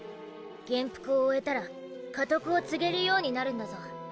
元服を終えたら家督を継げるようになるんだゾ。